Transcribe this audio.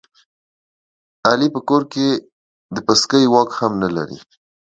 علي په کور کې د پسکې واک هم نه لري.